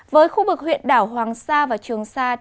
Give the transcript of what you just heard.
với khu vực huyện đảo hoàng sa và trường sa